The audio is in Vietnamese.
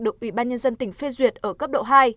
được ủy ban nhân dân tỉnh phê duyệt ở cấp độ hai